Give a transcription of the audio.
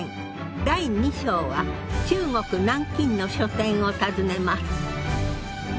第二章は中国・南京の書店を訪ねます。